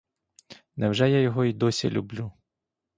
Невже я його й досі люблю?